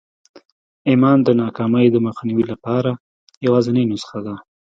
ایمان د ناکامۍ د مخنیوي لپاره یوازېنۍ نسخه ده